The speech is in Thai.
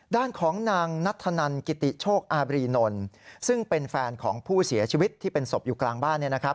ด้านของนางนัทธนันกิติโชคอาบรีนนท์ซึ่งเป็นแฟนของผู้เสียชีวิตที่เป็นศพอยู่กลางบ้าน